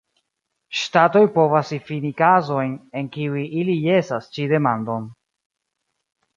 Ŝtatoj povas difini kazojn, en kiuj ili jesas ĉi demandon.